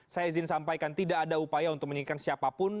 saya izin sampaikan tidak ada upaya untuk menginginkan siapapun